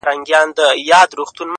او د خپل زړه په تصور كي مي ـ